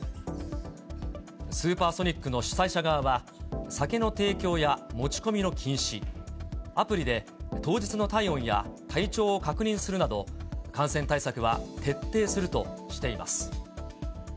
スーパーソニックの主催者側は、酒の提供や持ち込みの禁止、アプリで当日の体温や体調を確認するなど、感染対策は徹底するとしています。